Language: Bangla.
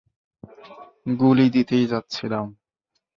গুলি দিতেই যাচ্ছিলাম।